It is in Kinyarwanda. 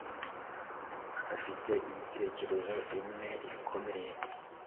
afite ibitekerezo bimwe bikomeye.